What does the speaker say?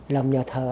làm nhà thờ